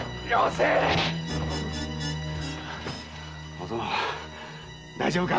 おその大丈夫か？